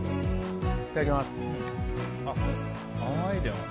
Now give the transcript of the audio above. いただきます。